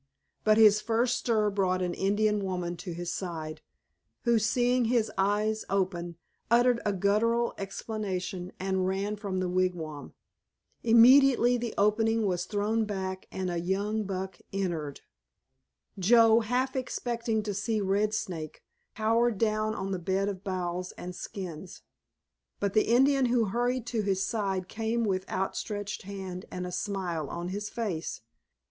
But his first stir brought an Indian woman to his side, who, seeing his eyes open, uttered a guttural exclamation and ran from the wigwam. Immediately the opening was thrown back and a young buck entered. Joe, half expecting to see Red Snake, cowered down on the bed of boughs and skins. But the Indian who hurried to his side came with outstretched hand and a smile on his face.